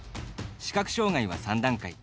視覚障がいは３段階。